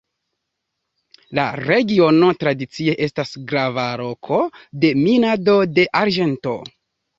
La regiono tradicie estas grava loko de minado de arĝento.